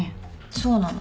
そうなの。